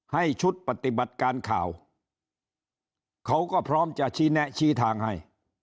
ให้ชุดปฏิบัติการข่าวเขาก็พร้อมจะชี้แนะชี้ทางให้